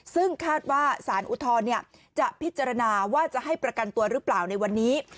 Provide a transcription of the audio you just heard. ซึ่งคาดว่าสารอุทธรณ์จะพิจารณาว่าจะให้ประกันตัวหรือเปล่าในวันนี้